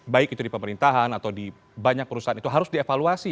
baik itu di pemerintahan atau di banyak perusahaan itu harus dievaluasi